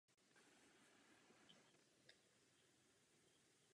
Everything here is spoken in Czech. Divadlo bylo důležitou součástí Vuillardova života.